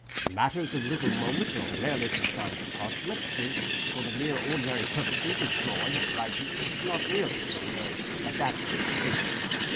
Matters of little moment are rarely consigned to parchment; since, for the mere ordinary purposes of drawing or writing, it is not nearly so well adapted as paper.